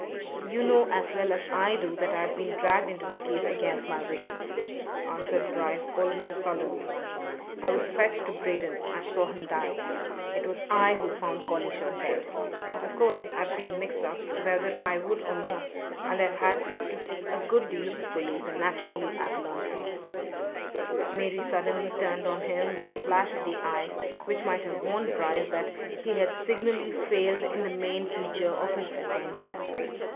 "You know as well as I do that I have been dragged into the case against my wishes," answered Bryce almost sullenly. "I was fetched to Braden I saw him die. It was I who found Collishaw dead. Of course, I've been mixed up, whether I would or not, and I've had to see a good deal of the police, and naturally I've learnt things." Mary suddenly turned on him with a flash of the eye which might have warned Bryce that he had signally failed in the main feature of his adventure.